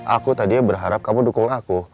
aku tadinya berharap kamu dukung aku